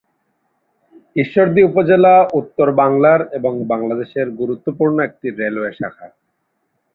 ঈশ্বরদী উপজেলা উত্তর বাংলার এবং বাংলাদেশের গুরুত্বপূর্ণ একটি রেলওয়ে শাখা।